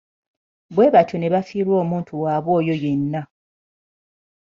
Bwe batyo ne bafiirwa omuntu waabwe oyo yenna.